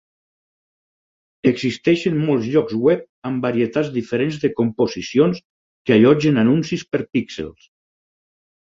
Existeixen molts llocs web amb varietats diferents de composicions que allotgen anuncis per píxels.